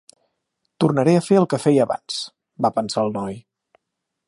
"Tornaré a fer el que feia abans", va pensar el noi.